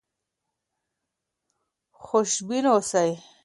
خوشبین اوسئ.